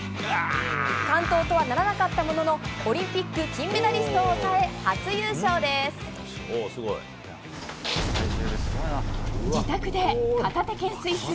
完登とはならなかったものの、オリンピック金メダリストを抑え、初優勝です。